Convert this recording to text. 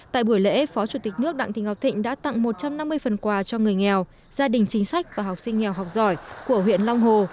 tại buổi lễ phó chủ tịch nước đặng thị ngọc thịnh đã tặng một trăm năm mươi phần quà cho người nghèo gia đình chính sách và học sinh nghèo học giỏi của huyện long hồ